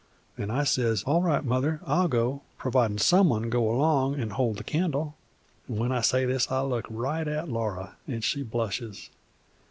Then I says: 'All right, Mother, I'll go, providin' some one'll go along an' hold the candle.' An' when I say this I look right at Laura and she blushes.